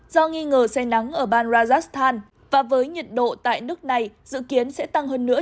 do nghi ngờ say nắng ở ban rajastan và với nhiệt độ tại nước này dự kiến sẽ tăng hơn nữa